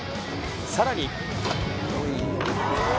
さらに。